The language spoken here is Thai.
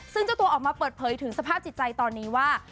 ซึ่งเจ้าตัวออกมาเปิดเผยถึงสภาพจิตใจตอนนี้ว่า